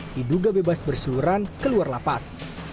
diduga bebas berseluruhan keluar lapas